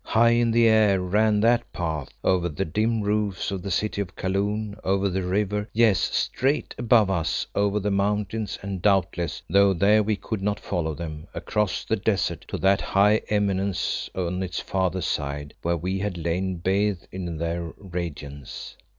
High in the air ran that path, over the dim roofs of the city of Kaloon, over the river, yes, straight above us, over the mountains, and doubtless though there we could not follow them across the desert to that high eminence on its farther side where we had lain bathed in their radiance.